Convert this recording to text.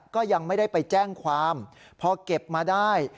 ก็ยังไม่ได้ไปแจ้งความพอเก็บมาได้